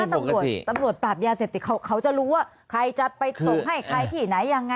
ตำรวจตำรวจปราบยาเสพติดเขาจะรู้ว่าใครจะไปส่งให้ใครที่ไหนยังไง